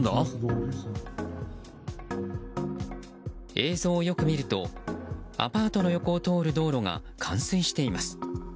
映像をよく見ると、アパートの横を通る道路が冠水しています。